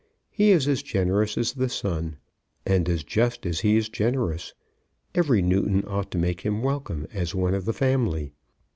He is as generous as the sun, and as just as he is generous. Every Newton ought to make him welcome as one of the family.